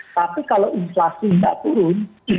tapi kalau inflasi nggak turun